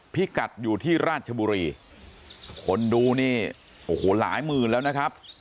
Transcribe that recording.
พิกัดอยู่ที่ราชบุรีคนดูนี่โอ้โหหลายหมื่นแล้วนะครับ